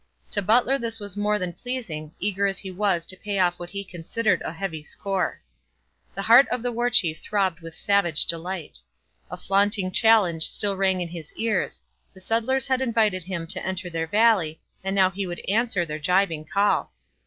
To Butler this was more than pleasing, eager as he was to pay off what he considered a heavy score. The heart of the War Chief throbbed with savage delight. A flaunting challenge still rang in his ears; the settlers had invited him to enter their valley, and now he would answer their gibing call.